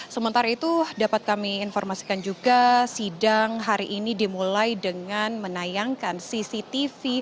sementara itu dapat kami informasikan juga sidang hari ini dimulai dengan menayangkan cctv